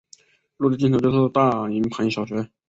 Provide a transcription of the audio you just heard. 路的尽头就是大营盘小学。